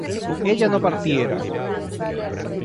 ella no partiera